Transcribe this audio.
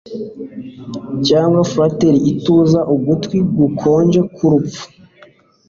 Cyangwa Flattery ituza ugutwi gukonje kwurupfu?